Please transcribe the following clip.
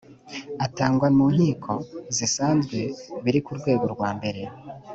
atangwa mu nkiko zisanzwe biri ku rwego rwambere